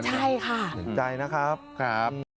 ใช่ค่ะเดี๋ยวใจนะครับขอบคุณครับ